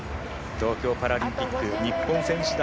東京パラリンピック日本選手団